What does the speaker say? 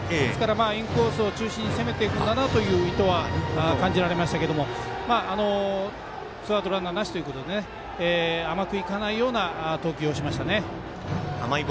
インコースを中心に攻めていくんだなという意図は感じられましたけどもツーアウト、ランナーなしということで甘くいかないような投球をしましたね。